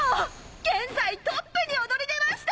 現在トップに躍り出ました！